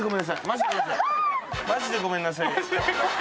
「マジでごめんなさい」。